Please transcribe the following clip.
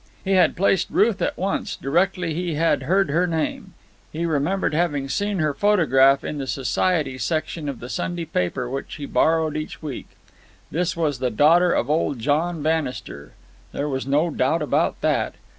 He had placed Ruth at once, directly he had heard her name. He remembered having seen her photograph in the society section of the Sunday paper which he borrowed each week. This was the daughter of old John Bannister. There was no doubt about that.